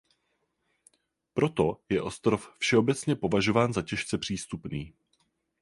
Proto je ostrov všeobecně považován za těžce přístupný.